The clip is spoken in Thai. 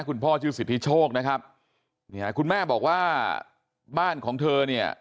พ่อชื่อสิทธิโชคนะครับเนี่ยคุณแม่บอกว่าบ้านของเธอเนี่ย